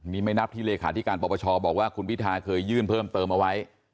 นี่ไม่นับที่เลขาธิการปปชบอกว่าคุณพิทาเคยยื่นเพิ่มเติมเอาไว้